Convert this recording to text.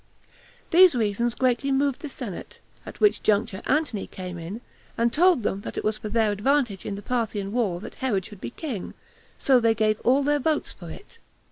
These reasons greatly moved the senate; at which juncture Antony came in, and told them that it was for their advantage in the Parthian war that Herod should be king; so they all gave their votes for it.